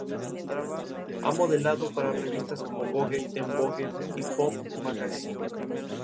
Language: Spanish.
Ha modelado para revistas como Vogue, Teen Vogue y Pop Magazine.